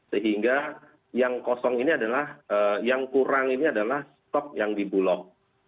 sehingga yang kosong ini adalah yang kurang ini adalah stok yang di bulog